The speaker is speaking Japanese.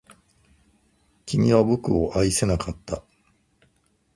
君は僕を愛せなかった